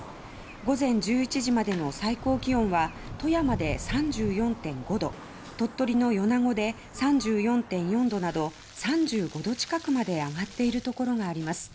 午前１１時までの最高気温は富山で３４．５度鳥取の米子で３４．４度など３５度近くまで上がっているところがあります。